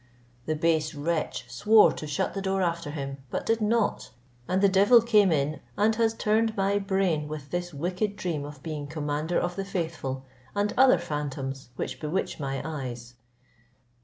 The base wretch swore to shut the door after him, but did not, and the devil came in and has turned my brain with this wicked dream of being commander of the faithful, and other phantoms which bewitch my eyes.